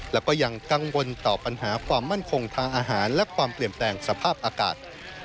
และก็ยังกังวลต่อปัญหาความมั่นคงทางอาหารและความเปลี่ยนแปลงสภาพอากาศ